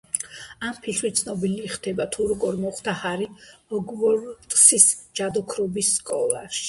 ამ ფილმში ცნობილი ხდება, თუ როგორ მოხვდა ჰარი ჰოგვორტსის ჯადოქრობის სკოლაში.